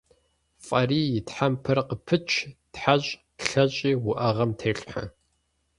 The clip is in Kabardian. ФӀарий и тхьэмпэр къыпыч, тхьэщӀ, лъэщӀи уӀэгъэм телъхьэ.